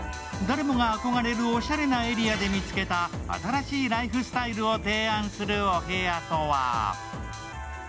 誰もが憧れるおしゃれなエリアで見つけた新しいライフスタイルを提案するお部屋とは。